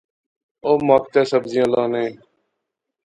اوہ مک تے سبزیاں لانے